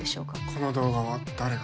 この動画は誰が